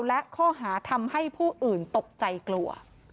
และข้อหาทำให้ผู้อื่นตกใจกลัว